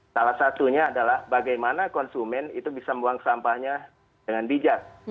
salah satunya adalah bagaimana konsumen itu bisa membuang sampahnya dengan bijak